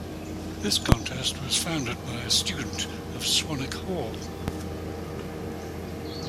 This contest was founded by a student of Swanwick Hall.